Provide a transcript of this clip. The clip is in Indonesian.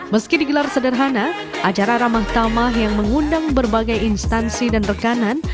meski digelar sederhana acara ramah tamah yang mengundang berbagai instansi dan rekanan